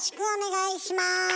お願いします！